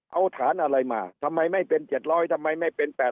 เอาฐานอะไรมาทำไมไม่เป็น๗๐๐ทำไมไม่เป็น๘๐